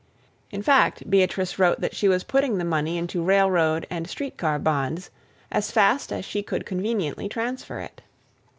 In fact, Beatrice wrote that she was putting the money into railroad and street car bonds as fast as she could conveniently transfer it.